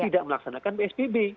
tidak melaksanakan psbb